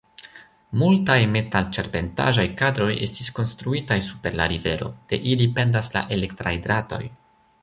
Multaj metal-ĉarpentaĵaj kadroj estis konstruitaj super la rivero; de ili pendas la elektraj dratoj.